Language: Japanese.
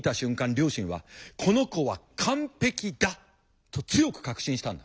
両親は「この子は完璧だ」と強く確信したんだ。